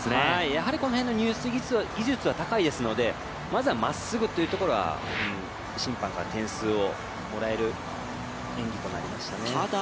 やはりこの辺の入水技術は高いですのでまずは、まっすぐというところは審判から点数をもらえる演技となりましたね。